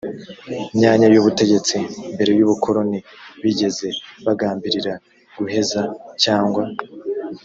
myanya y ubutegetsi mbere y ubukoloni bigeze bagambirira guheza cyangwa